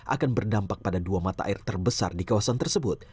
akan berdampak pada dua mata air terbesar di kawasan tersebut